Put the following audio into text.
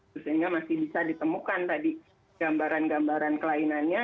sehingga masih bisa ditemukan tadi gambaran gambaran kelainannya